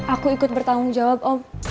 aku ikut bertanggung jawab om